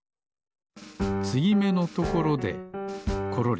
つぎめのところでコロリ。